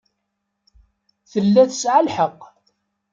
Tella tesɛa lḥeqq.